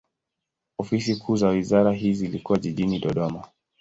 Ofisi kuu za wizara hii zilikuwa jijini Dodoma.